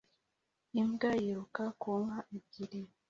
Imbwa yiruka ku nka ebyiri